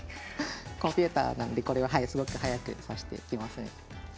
コンピューターなのでこれはすごく早く指してきますね。